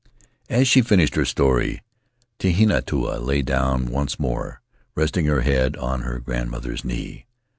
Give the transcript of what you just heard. As she finished her story, Tehinatu lay down once more, resting her head on her grandmother's knee.